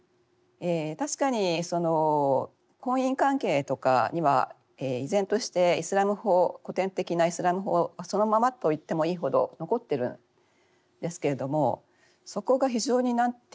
確かに婚姻関係とかには依然としてイスラーム法古典的なイスラーム法そのままと言ってもいいほど残っているんですけれどもそこが非常に何て言うんですかね